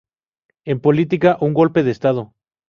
En política: un golpe de estado.